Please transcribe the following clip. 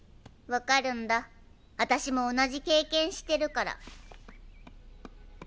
分かるんだあたしも同じ経験してるから。